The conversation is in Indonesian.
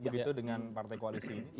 begitu dengan partai koalisi